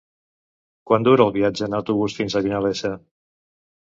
Quant dura el viatge en autobús fins a Vinalesa?